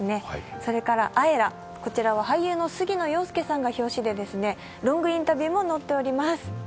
それから「ＡＥＲＡ」は俳優の杉野遥亮さんが表紙でロングインタビューも載っています。